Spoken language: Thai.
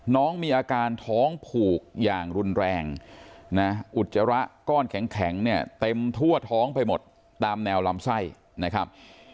น้องมีอาการท้องผูกอย่างรุนแรงนะอุจจาระก้อนแข็งเนี่ยเต็มทั่วท้องไปหมดตามแนวลำไส้นะครับ